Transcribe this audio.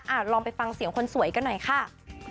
ลองไปฟังเสียงคนสวยกันหน่อยค่ะ